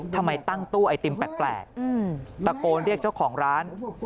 ทำไมตั้งตู้ไอติมแปลกตะโกนเรียกเจ้าของร้าน